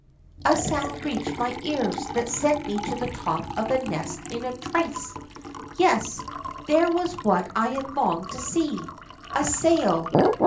a sound reached my ears that sent me to the top of the nest in a trice. Yes, there was what I had longed to see. A sail!